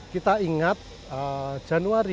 kita ingat januari dua ribu dua puluh